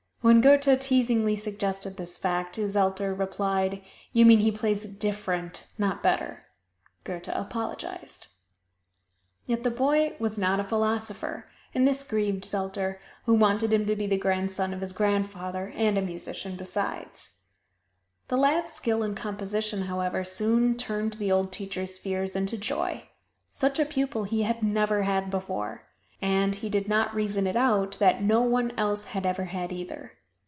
When Goethe teasingly suggested this fact, Zelter replied, "You mean he plays different, not better." Goethe apologized. Yet the boy was not a philosopher, and this grieved Zelter, who wanted him to be the grandson of his grandfather, and a musician besides. The lad's skill in composition, however, soon turned the old teacher's fears into joy. Such a pupil he had never had before! And he did not reason it out that no one else had ever had, either.